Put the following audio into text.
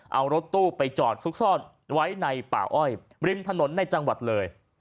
เอารถตู้ไปจอดซุกซ่อนไว้ในป่าอ้อยริมถนนในจังหวัดเลย